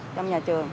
trong nhà trường